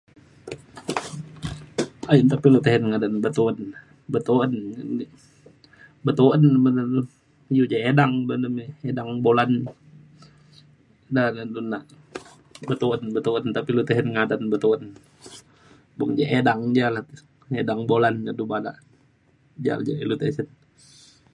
ayen te pe lu tisen ngadan betuen na. betuen betuen ban na lu iu ja edang be ne me edang bulan da da du nak betuen betuen. nta pa ilu tisen ngadan betuen. buk je edang ja edang bulan ja du bada ja ja ilu tisen